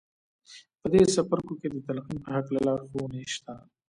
په دې څپرکو کې د تلقین په هکله لارښوونې شته